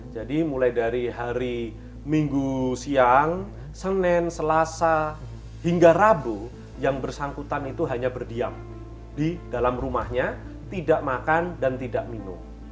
jadi mulai dari hari minggu siang senin selasa hingga rabu yang bersangkutan itu hanya berdiam di dalam rumahnya tidak makan dan tidak minum